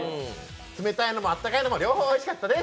冷たいのもあったかいのも両方おいしかったです！